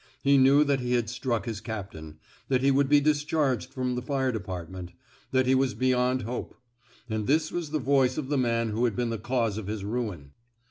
He knew that he had struck his captain; that he would be dis charged from the fire department; that he was beyond hope. And this was the voice of the man who had been the cause of his ruin.